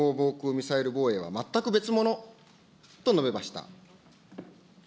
ミサイル防衛は全く別物と述べました。